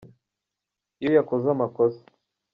iyo yakoze amakosa.